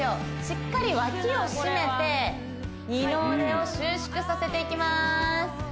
しっかり脇を締めて二の腕を収縮させていきます